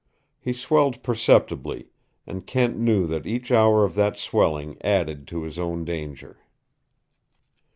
He swelled perceptibly, and Kent knew that each hour of that swelling added to his own danger.